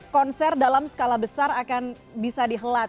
konser dalam skala besar akan bisa dihelat